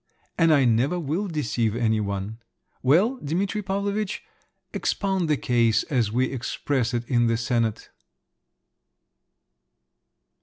and I never will deceive any one. Well, Dimitri Pavlovitch, expound the case as we express it in the senate."